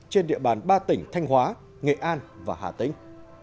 trên địa bàn ba tỉnh thanh hóa nghệ an và hà tĩnh